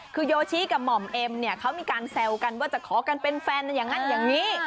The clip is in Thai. คือโยชิกับหม่อมเอ็มเนี่ยเขามีการแซวกันว่าจะขอกันเป็นแฟนอย่างนั้นอย่างนี้